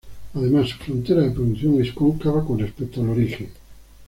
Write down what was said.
Además su Frontera de Producción es cóncava con respecto al origen.